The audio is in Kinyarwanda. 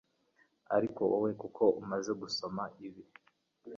ariko wowe kuko umaze gusoma ibi